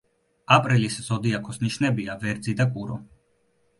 აპრილის ზოდიაქოს ნიშნებია ვერძი და კურო.